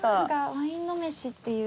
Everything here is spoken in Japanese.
「ワインのめし」っていう。